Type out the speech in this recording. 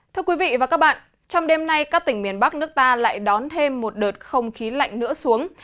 thưa quý vị và các bạn trong đêm nay các tỉnh miền bắc nước ta lại đón thêm một đợt không khí lạnh nữa xuống